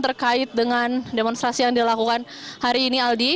terkait dengan demonstrasi yang dilakukan hari ini aldi